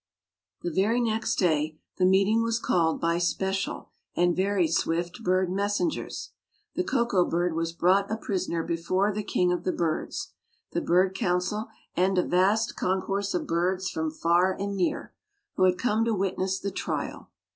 The very next day the meeting was called by special and very swift bird messengers. The Koko bird was brought a prisoner before the king of the birds, the bird council and a vast concourse of birds from far and near, who had come to witness the trial.